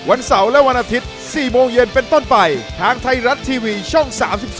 วันเสาร์และวันอาทิตย์๔โมงเย็นเป็นต้นไปทางไทยรัฐทีวีช่อง๓๒